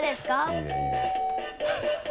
いいねいいね。